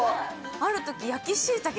ある時。